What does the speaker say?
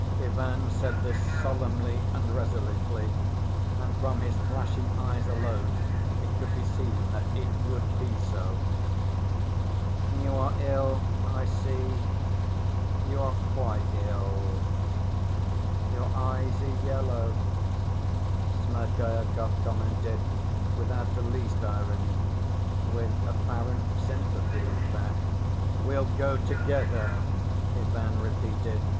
Ivan said this solemnly and resolutely and from his flashing eyes alone it could be seen that it would be so. "You are ill, I see; you are quite ill. Your eyes are yellow," Smerdyakov commented, without the least irony, with apparent sympathy in fact. "We'll go together," Ivan repeated.